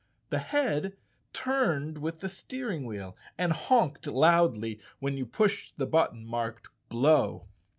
The head turned with the steer¬ ing wheel and honked loudly when you pushed the but¬ ton marked " Blow."